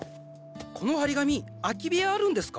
この貼り紙空き部屋あるんですか？